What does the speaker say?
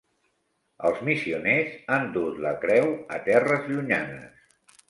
Els missioners han dut la creu a terres llunyanes.